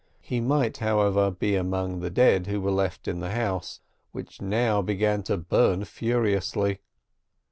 He might however, be among the dead who were left in the house, which now began to burn furiously.